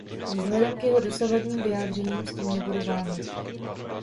Vzhledem k jeho dosavadním vyjádřením s tím nebudu váhat.